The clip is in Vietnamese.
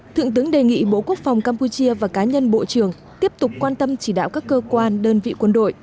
thượng tướng đề nghị bộ quốc phòng campuchia và cá nhân bộ trưởng tiếp tục quan tâm chỉ đạo các cơ quan đơn vị quân đội